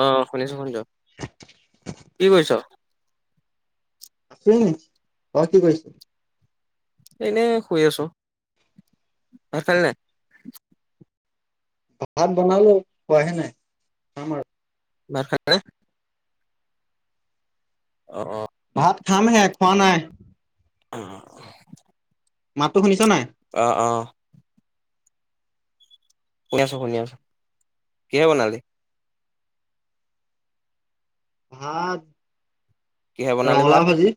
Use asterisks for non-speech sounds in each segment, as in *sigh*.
অ শুনিছোঁ শুনিছোঁ কি কৰিছ? আছোঁ এনেই তই কি কৰিছ। এনেই শুই আছোঁ ভাত খালি নে নাই? ভাত বনালো খোৱাহে নাই খাম আৰু। ভাত খালানে? অ অ। ভাত খামহে খোৱা নাই। অ। মাতটো শুনিছ নে নাই? অহ অহ। শুনি আছোঁ শুনি আছোঁ, কিহেৰে বনালি? কিহে ভাত। বনালি ভাত ৰঙালাওঁ ভাজি।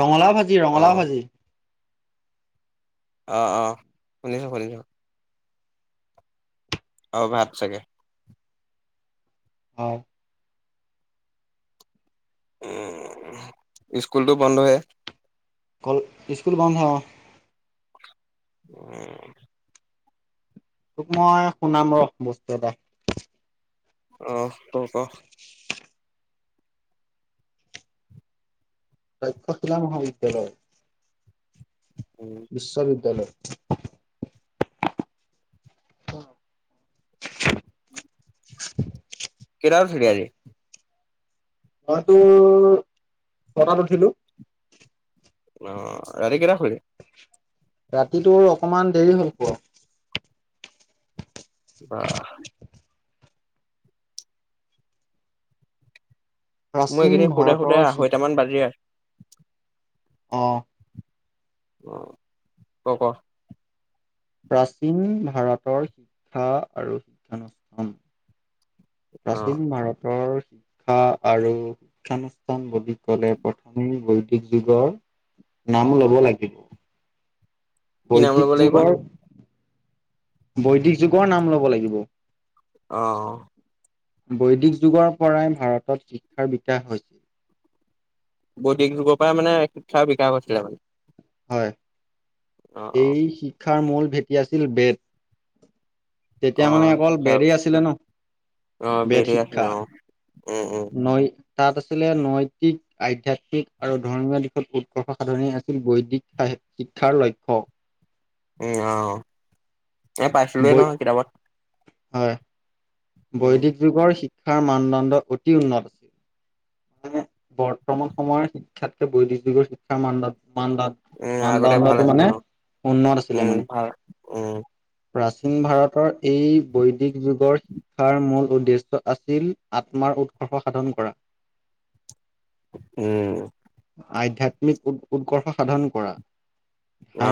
ৰঙালাওঁ। ভাজি অ ৰঙালাওঁ ভাজি। অ অ শুনিছোঁ শুনিছোঁ। অ ভাত চাগে। অ। উম স্কুলটো বন্ধয়ে। স্কুল বন্ধ অ। উম। তোক মই শুনাম ৰ বস্তু এটা। উম ক ক। তক্ষশিলা মহাবিদ্যালয়। বিশ্ববিদ্যালয়। *inaudible* কেইটাত উঠিলি আজি? মই তোৰ ছটাত উঠিলোঁ। অ', ৰাতি কেইটা শুলি? ৰাতি তোৰ আৰু অকমান দেৰি হ'ল, শুৱা। বাহ মই প্ৰাচীন এইকেইদিনি শুৱতে, ভাৰতৰ শুৱতে শি আঢ়ৈটামান বাজি আছে। অ'। অ ক' ক'। প্ৰাচীন ভাৰতৰ শিক্ষা আৰু শিক্ষানুষ্ঠান। অ প্ৰাচীন ভাৰতৰ। শিক্ষা আৰু শিক্ষানুষ্ঠান বুলি ক'লে প্ৰথমেই বৈদিক যুগৰ নাম লব লাগিব। কি নাম ল'ব বৈদিক লাগিব যুগৰ বৈদিক যুগৰ নাম ল'ব লাগিব। অ বৈদিক যুগৰ পৰাই ভাৰতত শিক্ষাৰ বিকাশ হৈছিল। বৌদিক যুগৰ পৰাই মানে শিক্ষাৰ বিকাশ হৈছিলে মানে। হয়। অ অ এই শিক্ষাৰ মূল ভেটি আছিল-বেদ। অ তেতিয়া মানে অকল শিক্ষাৰ বেদেই আছিলে অ ন বেদ বেৰি আছিলে শিক্ষা। অ উম উম নৈ তাত আছিলে নৈতিক, আধ্যাত্মিক আৰু ধৰ্মীয় দিশত উৎকৰ্ষ সাধন আছিল বৈদিক শিক্ষাৰ লক্ষ্য। উম আহ। এ পাইছিলোৱে বৈ নহয় কিতাপত। হয়। উম বৈদিক যুগৰ শি শিক্ষাৰ মানদণ্ড অতি উন্নত মানে বৰ্তমান সময়ত শিক্ষাতকে বৈদিক যুগৰ শিক্ষাৰ মানদণ্ড উম মানদণ্ড আগতে ভাল মানদণ্ডটো আছিলে মানে অ উন্নত আছিলে উম মানে ভাল উম প্ৰাচীন ভাৰতৰ এই বৈ দিক যুগৰ শিক্ষাৰ মূল উদ্দেশ্য আছিল আত্মাৰ উৎকৰ্ষ সাধন কৰা। উম। আধ্যয়াত্মিক উৎ উৎকৰ্ষ সাধন কৰা।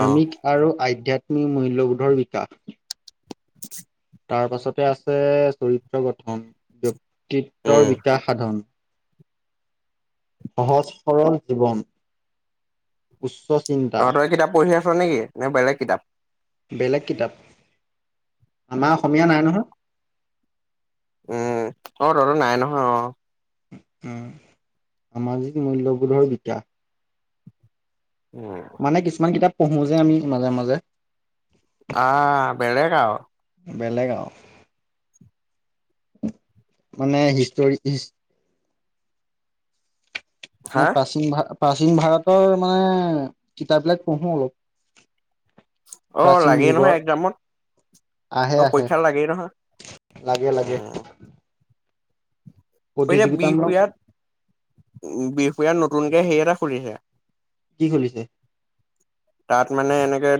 অ আৰু আধ্যয়াত্মি উম, মূল্যবোধৰ বিকাশ *unintelligible* তাৰ পাছতে আছে চৰিত্ৰ গঠন ব্যক্তি উম ত্বত্তৰ বিকাশ সাধন। সহজ সৰল জীৱন উচ্চছ তহঁতই কিতাপ পঢ়ি আছোঁ। নেকি নে বেলেগ কিতাপ। বেলেগ কিতাপ আমাৰ অসমীয়া নাই নহয়। উম অ ত তহঁত নাই নহয় অ উম সামাজিক মূল্যবোধৰ বিকাশ উম মানে কিছুমান কিতাপ পঢ়োঁ যে আমি মাজে মাজে অ। বেলেগ আও। মানে হিষ্টৰি হিষ নে হা প্ৰাচীন ভা প্ৰাচীন ভাৰতৰ মানে কিতাপ বিলাক পঢ়ো অলপ। অ প্ৰাচীন লাগেই যুগৰ নহয় একজামত আহে অ আহে পৰীক্ষা লাগেই নহয় লাগে লাগে উম এতিয়া প্ৰতিযোগিতামূলক বিহপুৰীয়াত উম বিহ এই এয়াত নতুনকে সেই এটা খুলিছে কি খুলিছে? তাত মানে এনেকে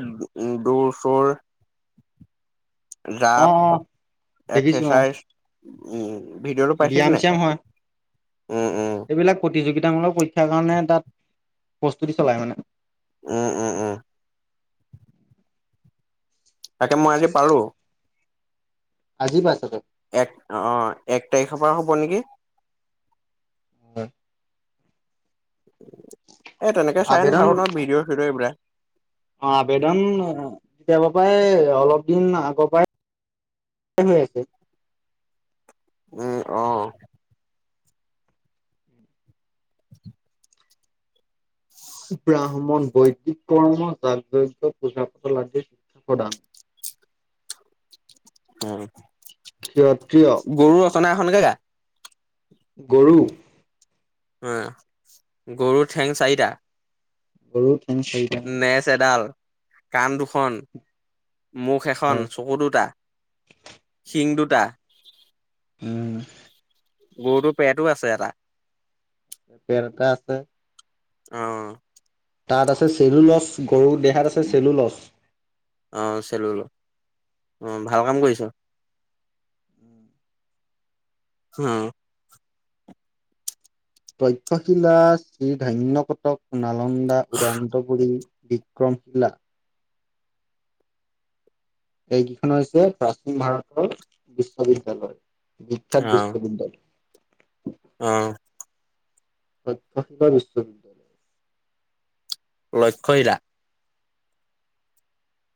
দৌৰ চৌৰ অ জাপ অ দেখিছো অ এক্সাৰচাইজ উম। ভিডিঅ'টো পাইছিলি ব্যায়াম নাই চ্যাম হয় উম, উম, এইবিলাক প্ৰতিযোগি মুলক পৰীক্ষাৰ কাৰণে তাত প্ৰস্তুতি চলাই উম, উম, মানে। *inaudible* উম, তাকে মই আজি পালো। আজি বা এক অ এক তাৰিখৰ পৰা হ'ব নেকি। উম। এ তেনেকে চাই আবেদন নাথাকো নহয় ভিডিঅ' চিডিঅ' এইবিলাক। অ আৱেদন কেৱ প্ৰায় অলপ দিন আগৰ পৰাই হৈ আছে উম অহ ব্ৰাহ্মণ বৈদিক কৰ্ম যাক যজ্ঞ পূজা পাতল আদিৰ শিক্ষা প্ৰধান। উম ক্ষত্ৰিয়। ঘনকে গা। গৰু গৰু ঠেং চাৰিটা *unintelligible* নেছএডাল, কাণ দুখন, মুখ এখন, চকু দুটা, শিং দুট টা উম, গৰুটোৰ পেটও আছে এটা। পেট এটা আছে। অ', তাত আছে চিল মচ চি গৰুৰ দেহাত আছে চেলু লছ অ', চেলুলো অ, ভাল কাম কৰিছ। *unintelligible* তক্ষশীলা, শ্ৰীধান্যকটক নাল লন্দা, উদান্তপুৰী বিক্ৰমশীলা এইকেইখন হৈছে প্ৰাচীন ভাৰতৰ বিশ্ববিদ্যালয়। বিখ্যাত অ', বিশ্ববিদ্যালয়। অ। *unintelligible* লক্ষ্যহীৰা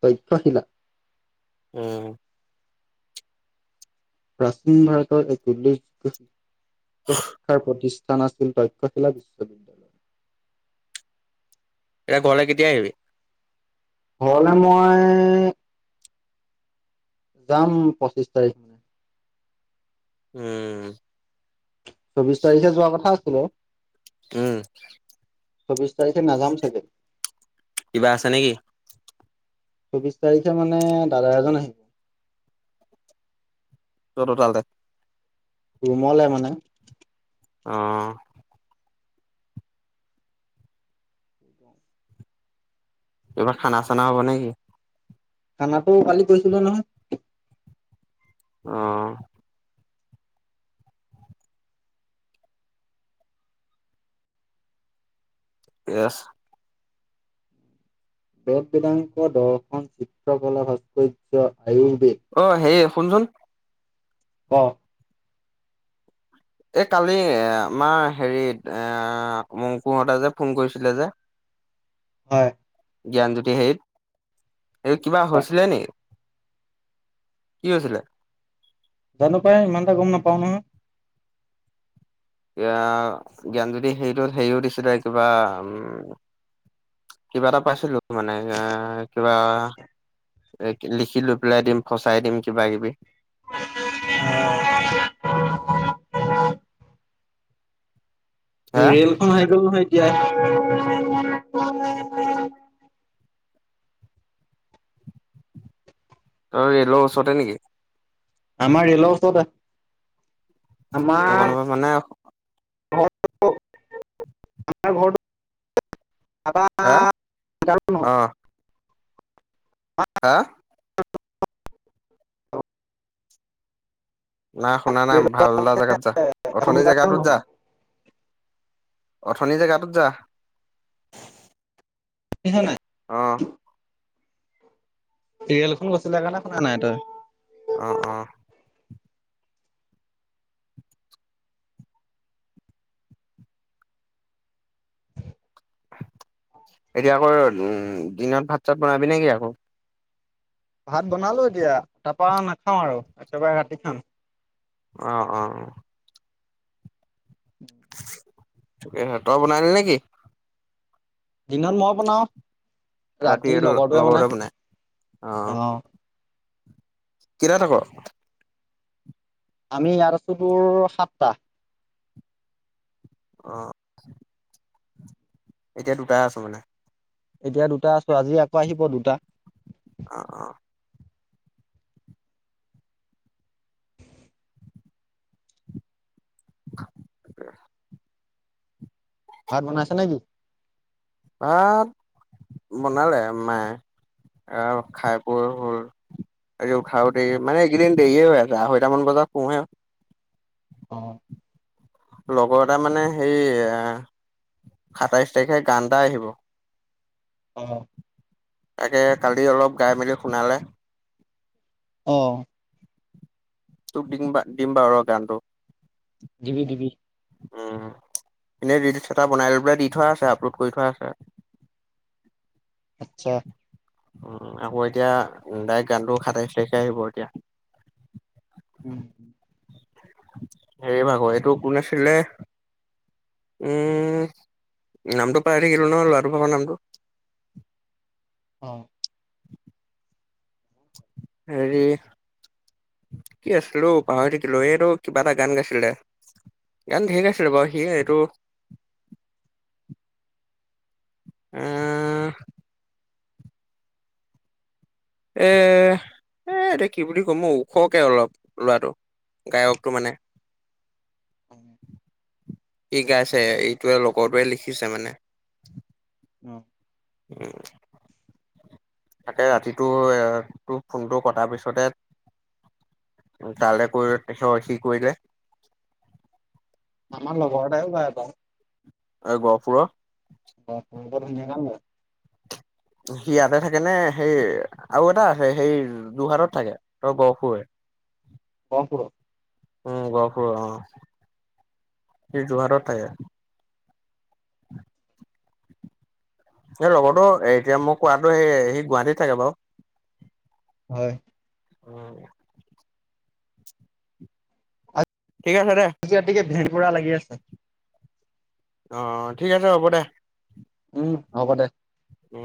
তক্ষশীলা উম। প্ৰাচীন ভাৰতৰ এক উল্লেখযোগ্য *unintelligible* প্ৰতিষ্ঠ স্থান আছিল তক্ষশীলা বিশ্ববিদ্যালয়। এ ঘৰলে কেতিয়া আহিবি? ঘৰলে মই যাম পঁচিশ তাৰিখ। উম। চৌবিশ তাৰিখে যোৱা কথা লে উম, চৌব্বিছ তাৰিখে নাযাম চাগে। কিবা আছে নেকি? চৌব্বিছ তাৰিখে মানে দাদা এজন আহি- তত তালে। ৰুমলে মানে। অ। কিবা খানা চানা হ'ব নেকি? খানটো কালি কৈছিলো নহয়। অ ' ইয়েছ। বদবেদংক দৰ্শন চিত্ৰকলাৰ ভাষ্কৰ্য্য। আয়ুৰ্বেদে। অ হেৰি শুনচোন। অ। এই কালি আমাৰ হেৰিত এ মংকুহতে যে ফোন কৰিছিলে যে হয়। জ্ঞান দুটি হেইত। এই কিবা হয় হৈছিলে নি। কি হৈছিলে। জানো পায় ইমান দে গম নাপাওঁ নহয়। এ জ্ঞান যদি হেটোত হেৰিও দিছিলে কিবা উম কিবা এটা পাইছিলো। মানে এ কিবা। লিখি লৈ পেলাই দিম ফচাই দিম কিবা কিবি। *unintelligible* হা ৰেল খখন আহি গ'ল নহয়। *unintelligible* ত ৰেলৰ ওচৰতে নেকি। আমাৰ ৰেল ওচতে। এই ক মানে আমাৰ ঘৰৰত *unintelligible* হা, অহ। হা,। নাই শুনা নাই ৰেলৰ ভালটা জেগাত যা এশ অথনিৰ মিটাৰো জেগাতটোত নহয় যা। অথনি জেগাতত যা। ক *unintelligible* অহ। চিৰিয়েল খ গৈছিলে কাৰণে শুনা নাই তই। অ', অ', এতিয়া আকৌ উ দিনত ভাত চাত বনাবি নেকি আকৌ। ভাত বনালো এতিয়া তাৰপা নাখাওঁ আৰু একেবাৰে ৰাতি খাম। অ, ' অ, ' অ। ঠিক তই বনাইিল নেকি। দিনত মই বনাও। ৰাতি লগৰতোৱে বনাই অহ। অ কটা থাক। আমি ইয়াত আছো তোৰ সাতটা। আহ। এতিয়া দুটাই আছো মানে। এতিয়া দুটা আছো আজি আকৌ আহিব দুটা। অ, ' অ, ' *unintelligible* ভাত বনাইছে নেকি? ভাত বনালে মায়ে, আৰু খাই বৈ হ'ল। আজি উঠায়ো দেৰি মানে একেদিন দেৰিয়ে হৈ আছে আঢ়ৈটামান বজাত শুহে অ'। লগৰ এটা মানে সেই আ, সাতাইশ তাৰিখে গান এটা আহিব। অ'। তাকে কালি অলপ গায়, মেলি শুনালে। অ'। তোক দিম দিম বাৰু গানটো দিবি দিবি। উম এনেই ৰীলচ এটা বনাই লৈ পেললে দি থোৱা আছে আপলোড কৰি থোৱা আছে। আচ্ছা। উ আকৌ এতিয়া ডাইৰেক্ট গানটো সাতাইশ তাৰিখে আহিব এতিয়া উম *inaudible* হে ভাগৰ এইটো কোন আছিলে উম নামটো পাহৰি থাকিলো নহয় ল'ৰাটোৰ ভাগৰ নামটো। অ' হেৰি কি আছিলে পাহৰি থাকিলো, এই ৰ কিবা এটা গান গাইছিলে, গান ঢেৰ গাইছিলে বাৰু সি এইটো আহ এহ এ এতিয়া কি বুলি ক'ম ঔ ওখকে অলপ ল'ৰাটো গায়কটো মানে হয় *unintelligible* সি গাইছে এইটোৱে লগৰটোৱে লিখিছে মানে উম। তাকে ৰাতিটো তোৰ ফোনটো কটাৰ পিছতে তালৈ কৰিলে সি কৰিলে। আমাৰ লগৰতে এটাও গায় গান। এ গহপুৰৰ বৰ ধুনীয়া গান গায়। সি ইয়াতে থাকে নে? সেই আৰু এটা আছে সেই যোৰহাটত থাকে ত গহপুৰৰে গহপুৰৰ? উম গহপুৰ অ', সি যোৰহাটত থাকে। এই লগৰতো এতিয়া মোক কোৱাটো সেই সি গুৱাহাটী থাকে বাৰু হয়। উম ঠিক আছে দে ে ভে *unintelligible* পুৰা লাগি আছে। অ' ঠিক আছে হ'ব দে। উম হ'ব দে। উম